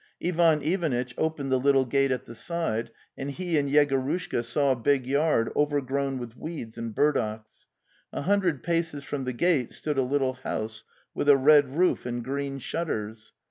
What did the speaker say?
Ivan Ivanitch opened the little gate at the side, and he and Yego rushka saw a big yard overgrown with weeds and burdocks. A hundred paces from the gate stood a little house with a red roof and green shutters.